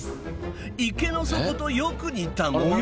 池の底とよく似た模様。